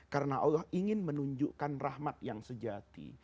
karena allah ingin menunjukkan rahmat yang sejati